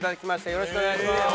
よろしくお願いします。